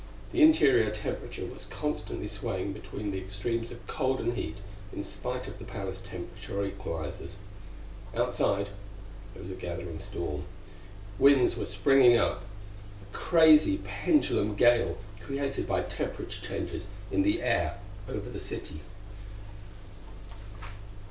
The interior temperature was constantly swaying between the extremes of cold and heat, in spite of the palace temperature equalizers. Outside, there was a gathering storm. Winds were springing up a crazy, pendulum gale created by the temperature changes in the air over the city.